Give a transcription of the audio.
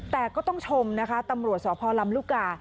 แต่ก็ต้องชมตำรวจสวรำลุก่า